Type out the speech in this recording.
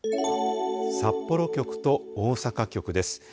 札幌局と大阪局です。